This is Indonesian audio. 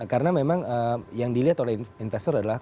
karena memang yang dilihat oleh investor adalah